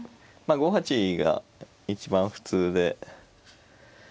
まあ５八が一番普通で。